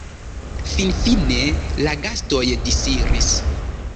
Finfine la gastoj disiris.